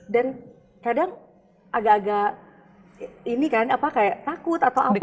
dan kadang agak agak ini kan apa kayak takut atau apa gitu